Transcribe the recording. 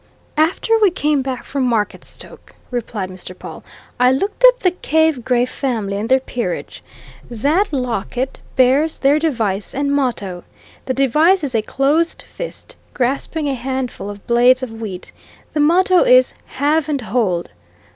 "After we came back from Marketstoke," replied Mr. Pawle, "I looked up the Cave Gray family and their peerage. That locket bears their device and motto. The device is a closed fist, grasping a handful of blades of wheat; the motto is Have and Hold.